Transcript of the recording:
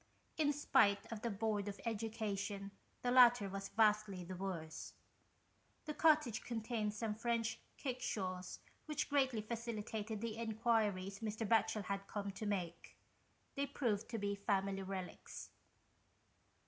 In spite of the Board of Education, the latter was vastly the worse. 60 THE KICHPINS. The cottage contained some French kick shaws which greatly facilitated the enquiries Mr. Batchel had come to make. They proved to be family relics.